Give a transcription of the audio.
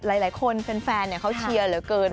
หลายคนแฟนเขาเชียร์เหลือเกิน